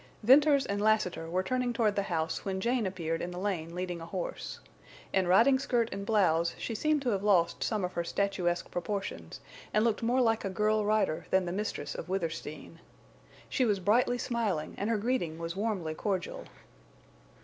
Venters and Lassiter were turning toward the house when Jane appeared in the lane leading a horse. In riding skirt and blouse she seemed to have lost some of her statuesque proportions, and looked more like a girl rider than the mistress of Withersteen. She was brightly smiling, and her greeting was warmly cordial.